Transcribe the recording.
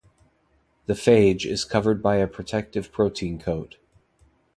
The phage is covered by a protective protein coat.